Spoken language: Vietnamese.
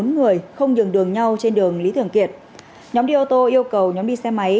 bốn người không nhường đường nhau trên đường lý thường kiệt nhóm đi ô tô yêu cầu nhóm đi xe máy